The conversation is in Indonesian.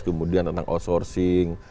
kemudian tentang outsourcing